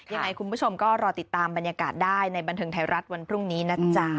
ยังไงคุณผู้ชมก็รอติดตามบรรยากาศได้ในบันเทิงไทยรัฐวันพรุ่งนี้นะจ๊ะ